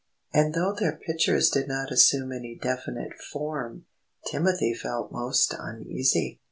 And though their pictures did not assume any definite form, Timothy felt most uneasy.